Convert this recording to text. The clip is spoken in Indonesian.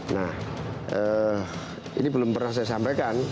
nah ini belum pernah saya sampaikan